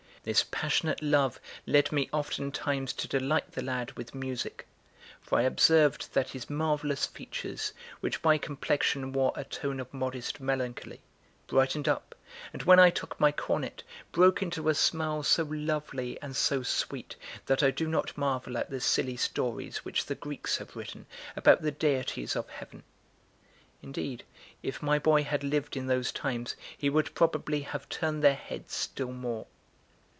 This passionate love led me oftentimes to delight the lad with music; for I observed that his marvellous features, which by complexion wore a tone of modest melancholy, brightened up, and when I took my cornet, broke into a smile so lovely and so sweet, that I do not marvel at the silly stories which the Greeks have written about the deities of heaven. Indeed, if my boy had lived in those times, he would probably have turned their heads still more.